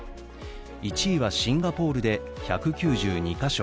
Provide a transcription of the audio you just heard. １位はシンガポールで１９２か所。